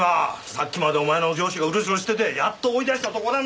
さっきまでお前の上司がうろちょろしててやっと追い出したとこなんだよ！